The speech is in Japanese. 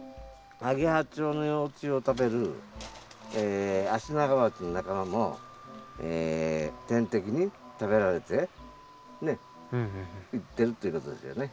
アゲハチョウの幼虫を食べるアシナガバチの仲間も天敵に食べられてねっいってるっていうことですよね。